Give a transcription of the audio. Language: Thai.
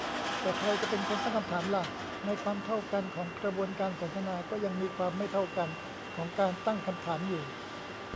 แต่ใครจะเป็นคนตั้งคำถามล่ะ ? ในความเท่ากันของกระบวนการสนทนา ก็ยังมีความไม่เท่ากันของการตั้งคำถามอยู่